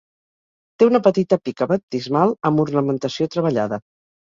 Té una petita pica baptismal amb ornamentació treballada.